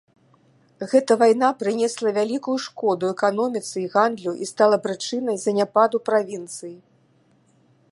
Гэта вайна прынесла вялікую шкоду эканоміцы і гандлю і стала прычынай заняпаду правінцыі.